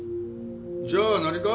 じゃあ何か？